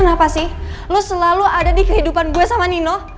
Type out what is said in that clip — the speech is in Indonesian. kenapa sih lo selalu ada di kehidupan gue sama nino